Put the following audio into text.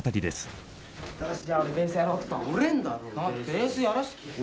ベースやらして。